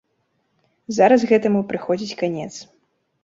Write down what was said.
Зараз гэтаму прыходзіць канец.